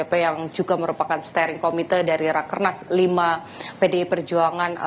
pdip yang juga merupakan steering committee dari rakernas lima pdi perjuangan